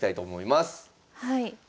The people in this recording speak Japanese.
はい。